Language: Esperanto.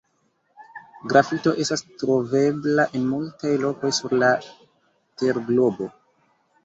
Grafito estas trovebla en multaj lokoj sur la terglobo.